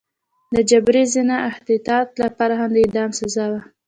د جبري زنا او اختطاف لپاره هم د اعدام سزا وه.